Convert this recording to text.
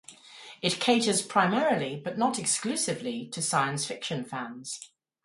It caters primarily - but not exclusively - to science fiction fans.